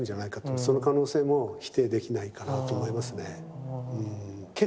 その可能性も否定できないかなと思いますね。